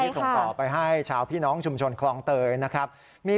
ส่งต่อไปให้ชาวพี่น้องชุมชนคลองเตยนะครับ